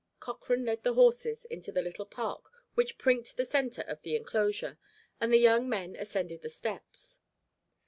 Cochrane led the horses into the little park which prinked the centre of the enclosure, and the young men ascended the steps.